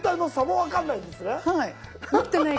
はい。